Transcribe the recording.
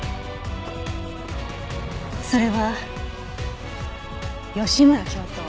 それは吉村教頭